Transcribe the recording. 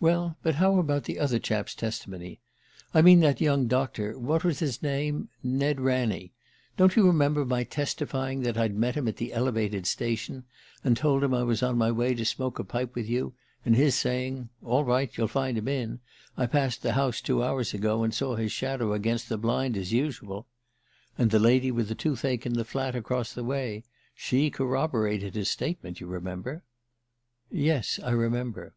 "Well, but how about the other chap's testimony I mean that young doctor: what was his name? Ned Ranney. Don't you remember my testifying that I'd met him at the elevated station, and told him I was on my way to smoke a pipe with you, and his saying: 'All right; you'll find him in. I passed the house two hours ago, and saw his shadow against the blind, as usual.' And the lady with the toothache in the flat across the way: she corroborated his statement, you remember." "Yes; I remember."